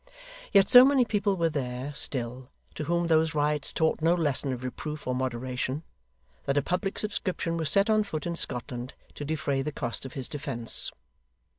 Yet so many people were there, still, to whom those riots taught no lesson of reproof or moderation, that a public subscription was set on foot in Scotland to defray the cost of his defence.